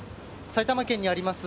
埼玉県にあります